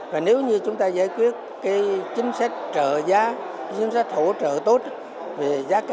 và nếu như chúng ta giải quyết cái chính sách trợ giá chính sách hỗ trợ tốt về giá cả